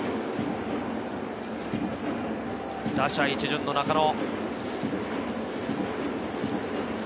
打者一巡の中野。